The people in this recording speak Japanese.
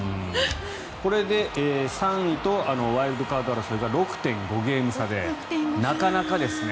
これで３位とワイルドカード争いが６．５ゲーム差でなかなかですね。